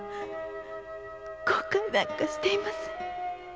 後悔なんかしていません